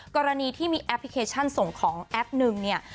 กรณีที่มีแอปพลิเคชันส่งของแอปนึงเนี่ย